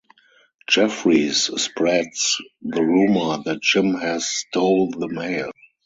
Jeffries spreads the rumor that Jim has stole the mail.